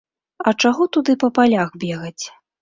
А чаго туды па палях бегаць?